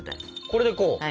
これでこう？